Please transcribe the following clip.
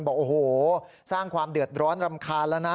บอกโอ้โหสร้างความเดือดร้อนรำคาญแล้วนะ